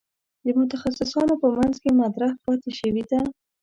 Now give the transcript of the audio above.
د متخصصانو په منځ کې مطرح پاتې شوې ده.